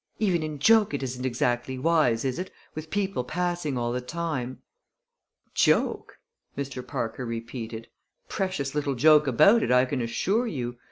"Even in joke it isn't exactly wise, is it, with people passing all the time?" "Joke!" Mr. Parker repeated. "Precious little joke about it, I can assure you.